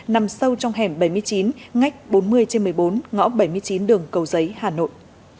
nằm sâu trong hẻm bảy mươi chín ngách bốn mươi trên một mươi bốn ngõ bảy mươi chín đường cầu giấy hà nội